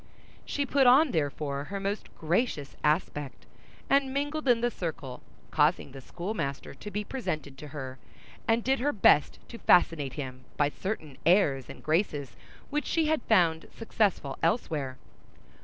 She put on, therefore, her most gracious aspect, and mingled in the circle; caused the schoolmaster to be presented to her, and did her best to fascinate him by certain airs and graces which she had found successful elsewhere.